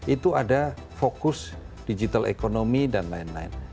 itu ada fokus digital economy dan lain lain